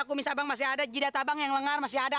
kumis abang masih ada jida tabang yang lengar masih ada